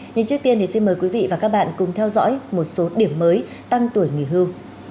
nhưng trước tiên thì xin mời quý vị và các bạn cùng theo dõi một số điểm mới tăng tuổi nghỉ hưu